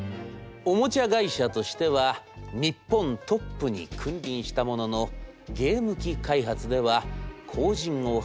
おもちゃ会社としては日本トップに君臨したもののゲーム機開発では後じんを拝しておりました。